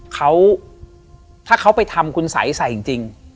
เขาถ้าเขาไปทำคุณสัยใส่จริง